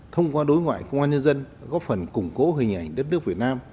thông qua đối ngoại công an nhân dân góp phần củng cố hình ảnh đất nước việt nam